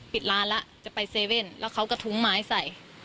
ปิดร้านแล้วจะไปเซเว่นแล้วเขากระทุ้งไม้ใส่